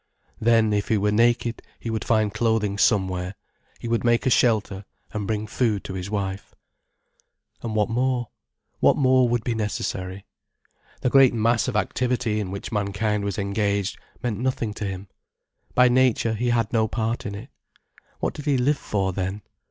Then, if he were naked, he would find clothing somewhere, he would make a shelter and bring food to his wife. And what more? What more would be necessary? The great mass of activity in which mankind was engaged meant nothing to him. By nature, he had no part in it. What did he live for, then?